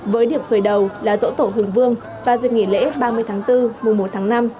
với điểm khởi đầu là rỗ tổ hường vương và dịch nghỉ lễ ba mươi tháng bốn mùa một tháng năm